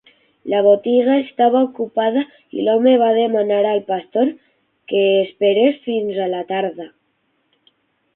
La botiga estava ocupada i l'home va demanar al pastor que esperés fins a la tarda.